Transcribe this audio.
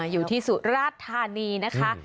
อยู่ที่สุราชธานีนะคะ